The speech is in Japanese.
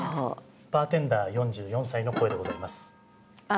バーテンダー４４歳の声でございます。